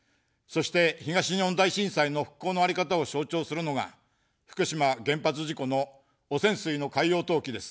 そして、東日本大震災の復興のあり方を象徴するのが福島原発事故の汚染水の海洋投棄です。